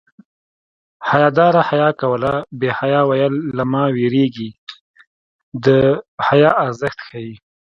حیادار حیا کوله بې حیا ویل له ما وېرېږي د حیا ارزښت ښيي